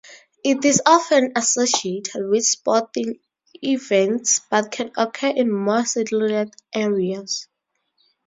It is often associated with sporting events but can occur in more secluded areas.